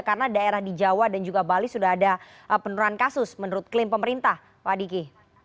karena daerah di jawa dan juga bali sudah ada penurunan kasus menurut klaim pemerintah pak diki